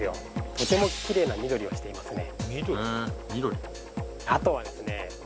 とてもきれいな緑をしていますね